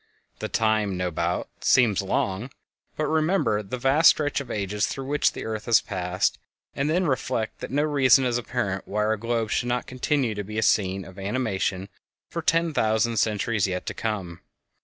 The time, no doubt, seems long, but remember the vast stretch of ages through which the earth has passed, and then reflect that no reason is apparent why our globe should not continue to be a scene of animation for ten thousand centuries yet to come.